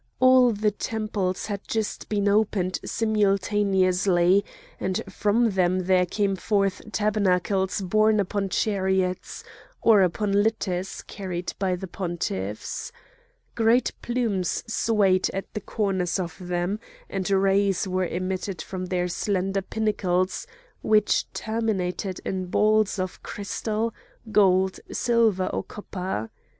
All the temples had just been opened simultaneously, and from them there came forth tabernacles borne upon chariots, or upon litters carried by the pontiffs. Great plumes swayed at the corners of them, and rays were emitted from their slender pinnacles which terminated in balls of crystal, gold, silver or copper.